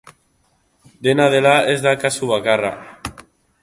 Dena dela, ez da kasu bakarra.